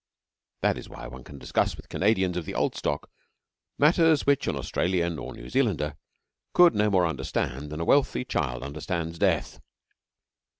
That is why one can discuss with Canadians of the old stock matters which an Australian or New Zealander could no more understand than a wealthy child understands death.